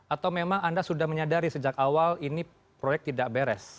atau memang anda sudah menyadari sejak awal ini proyek tidak beres